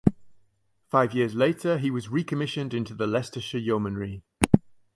Five years later he was recommissioned into the Leicestershire Yeomanry.